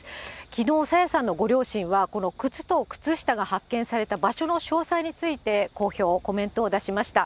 きのう、朝芽さんのご両親は、この靴と靴下が発見された場所の詳細について公表、コメントを出しました。